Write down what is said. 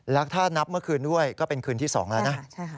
แล้วถ้านับเมื่อคืนด้วยก็เป็นคืนที่๒แล้วนะ